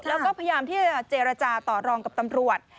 แล้วก็พยายามที่จะเจรจาต่อรองกับตำรวจ